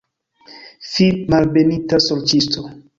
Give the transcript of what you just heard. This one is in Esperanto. Fi, malbenita sorĉisto!